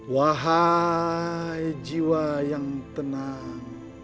wahai jiwa yang tenang